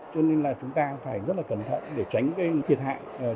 cho nên là chúng ta phải rất là cẩn thận để tránh thiệt hạn cho chính các doanh nghiệp